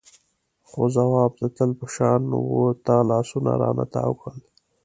خو ځواب د تل په شان و تا لاسونه رانه تاو کړل.